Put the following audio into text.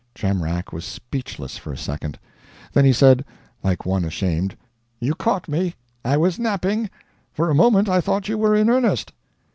Jamrach was speechless for a second. Then he said, like one ashamed "You caught me. I was napping. For a moment I thought you were in earnest."